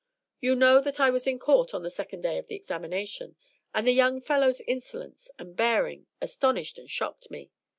You know that I was in court on the second day of the examination, and the young fellow's insolence and bearing astonished and shocked me.